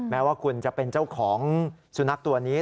แม้ว่าคุณจะเป็นเจ้าของสุนัขตัวนี้